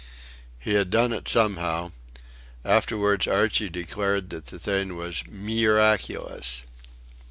He had done it somehow. Afterwards Archie declared that the thing was "meeraculous."